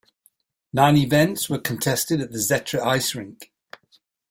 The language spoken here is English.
Nine events were contested at Zetra Ice Rink.